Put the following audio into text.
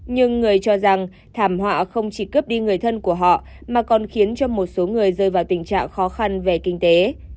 nhưng người cho rằng thảm họa không chỉ cướp đi người thân của họ mà còn khiến cho một số người rơi vào tình trạng khó khăn về kinh tế